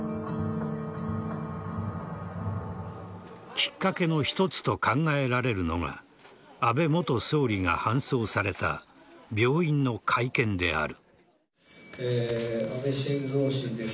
きっかけの一つと考えられるのが安倍元総理が搬送された病院の会見である。